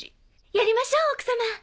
やりましょう奥様。